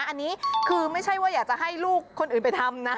อันนี้คือไม่ใช่ว่าอยากจะให้ลูกคนอื่นไปทำนะ